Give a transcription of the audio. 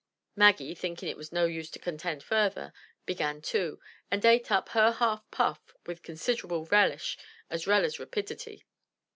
Maggie, thinking it was no use to contend further, began too, and ate up her half puff with considerable relish as well as rapidity.